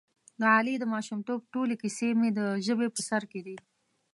د علي د ماشومتوب ټولې کیسې مې د ژبې په سر کې دي.